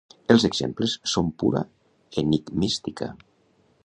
Els exemples són pura enigmística.